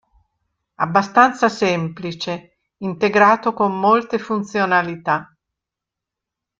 Abbastanza semplice, integrato con molte funzionalità.